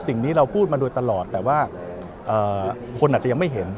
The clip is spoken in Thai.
สิ่งนี้เราพูดมาโดยตลอดแต่ว่าคนอาจจะยังไม่เห็น